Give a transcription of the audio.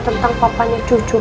gendut yang benar dan mukinsmer juga